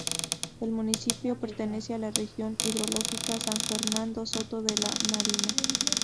El municipio pertenece a la región hidrológica San Fernando-Soto la Marina.